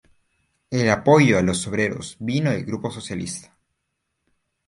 El apoyo a los obreros vino del grupo socialista.